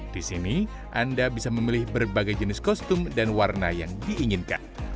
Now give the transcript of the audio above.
di sini anda bisa memilih berbagai jenis kostum dan warna yang diinginkan